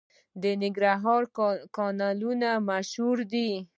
د ننګرهار کانالونه مشهور دي.